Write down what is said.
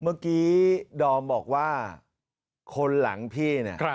เมื่อกี้ดอมบอกว่าคนหลังพี่เนี่ย